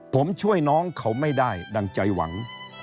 ผมช่วยน้องเขาไม่ได้ดังใจหวัง